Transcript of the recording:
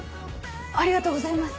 ありがとうございます。